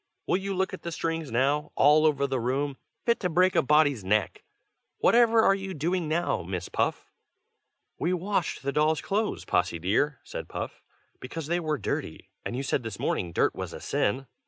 will you look at the strings now, all over the room, fit to break a body's neck! Whatever are you doing now, Miss Puff?" "We washed the dolls' clothes, Possy dear," said Puff, "because they were dirty, and you said this morning dirt was a sin."